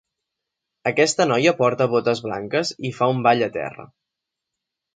Aquesta noia porta botes blanques i fa un ball a terra.